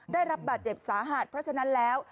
ได้รับบาดเจ็บสาหัสเพราะฉะนั้นแล้ว